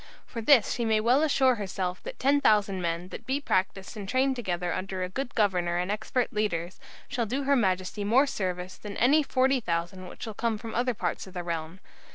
For this she may well assure herself that 10,000 men, that be practised and trained together under a good governor and expert leaders, shall do her Majesty more service than any 40,000 which shall come from any other parts of the realm.